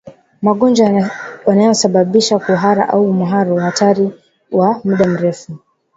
Magonjwa yanayosababisha kuhara au mharo hatari wa muda mrefu